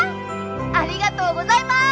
ありがとうございます！